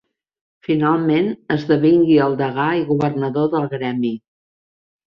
Finalment esdevingui el degà i governador del gremi.